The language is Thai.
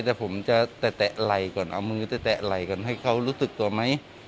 แต่ผมจะแตะไหล่ก่อนเอามือแตะไหล่ก่อนให้เขารู้สึกตัวไหม